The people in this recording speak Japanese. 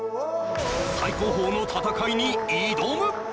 最高峰の戦いに挑む！